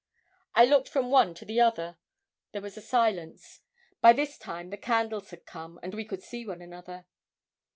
I looked from one to the other there was a silence. By this time the candles had come, and we could see one another.